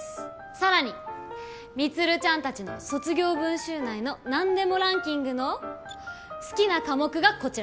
さらに充ちゃん達の卒業文集内のなんでもランキングの好きな科目がこちら。